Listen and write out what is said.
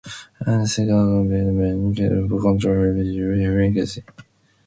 An assignable bender can be used to control pitch or filter frequency.